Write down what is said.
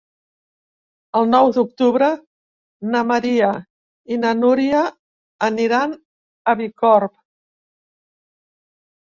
El nou d'octubre na Maria i na Núria aniran a Bicorb.